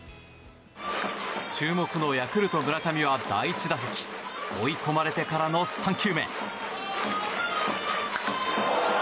注目のヤクルト村上は第１打席追い込まれてからの３球目。